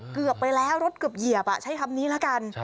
เกือบไปแล้วรถเกือบเหยียบใช้คำนี้แล้วกัน